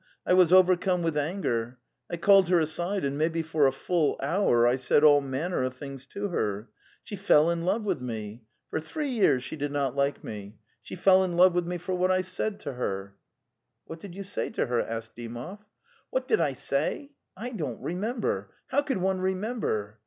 "I was overcome with anger. . ..I called her aside and maybe for a full hour I said all manner of things to her. She fell inlove with me! For three years she did not like me! she fell in love with me foriwhatilisaid toiher) i, The Steppe 261 ''\What did you say to her?"' asked Dymov. "What idid' T isay?)* 1 dent ;remembers 2)". How could one remember?